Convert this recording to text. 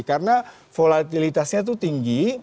karena volatilitasnya itu tinggi